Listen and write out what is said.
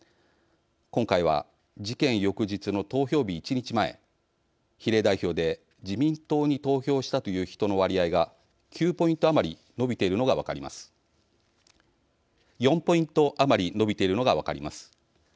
今回は事件翌日の投票日１日前比例代表で自民党に投票したという人の割合が４ポイント余り伸びているのが分かります。